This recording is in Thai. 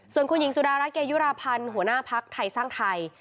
ส่วนคุณหญิงสุดารัฐเกยุราพันธ์หัวหน้าภักดิ์ไทยสร้างไทย